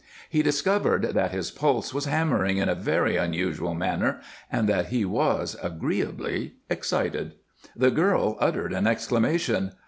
He discovered that his pulse was hammering in a very unusual manner and that he was agreeably excited. The girl uttered an exclamation.